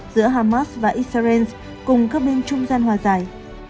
giữa hamas và israel cùng các bên trung gian hòa giải